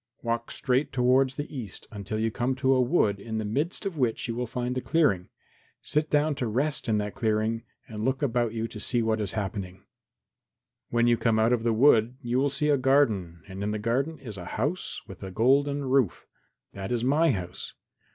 "Walk straight towards the east until you come to a wood in the midst of which you will find a clearing. Sit down to rest in that clearing and look about you to see what is happening. When you come out of the wood you will see a garden and in the garden is a house with a golden roof. That is my house.